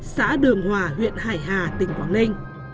xã đường hòa huyện hải hà tỉnh quảng ninh